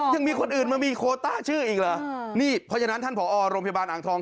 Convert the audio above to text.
ยังมีคนอื่นมามีโคต้าชื่ออีกเหรอนี่เพราะฉะนั้นท่านผอโรงพยาบาลอ่างทอง